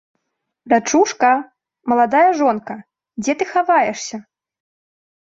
Дачушка, маладая жонка, дзе ты хаваешся?